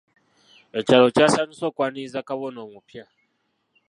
Ekyalo kyasanyuse okwaniriza kabona omupya.